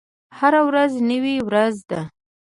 هره ورځ نوې ورځ ده